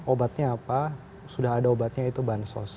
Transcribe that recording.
obatnya apa sudah ada obatnya yaitu bahan sos